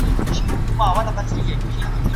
خیر محمد د موټر د هیندارې دوړې وڅنډلې.